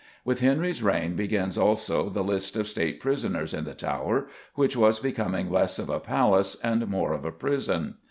With Henry's reign begins, also, the list of State prisoners in the Tower, which was becoming less of a palace and more of a prison.